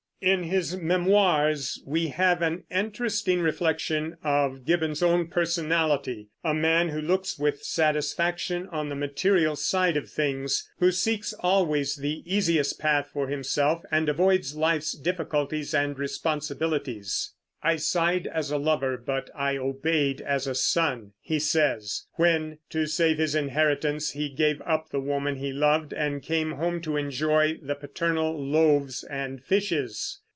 In his Memoirs we have an interesting reflection of Gibbon's own personality, a man who looks with satisfaction on the material side of things, who seeks always the easiest path for himself, and avoids life's difficulties and responsibilities. "I sighed as a lover; but I obeyed as a son," he says, when, to save his inheritance, he gave up the woman he loved and came home to enjoy the paternal loaves and fishes.